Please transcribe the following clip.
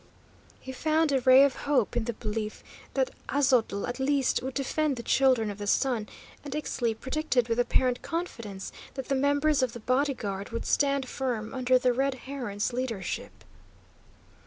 He found a ray of hope in the belief that Aztotl at least would defend the Children of the Sun, and Ixtli predicted with apparent confidence that the members of the body guard would stand firm under the Red Heron's leadership.